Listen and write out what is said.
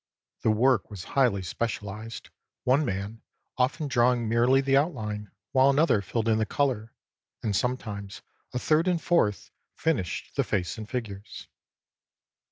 The work was highly specialized, one man often drawing merely the outline, while another filled in the color, and sometimes a third and fourth finished the face and figures.